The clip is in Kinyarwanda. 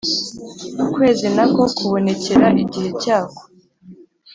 Ukwezi na ko, kubonekera igihe cyako,